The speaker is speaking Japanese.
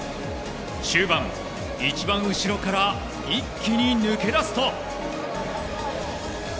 終盤、一番後ろから一気に抜け出すと。